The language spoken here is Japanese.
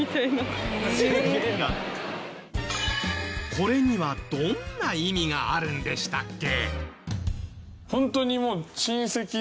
これにはどんな意味があるんでしたっけ？